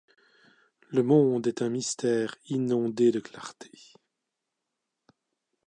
Le monde est un mystère inondé de clarté ;